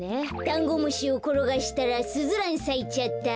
だんごむしをころがしたらスズランさいちゃった。